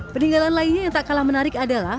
peninggalan lainnya yang tak kalah menarik adalah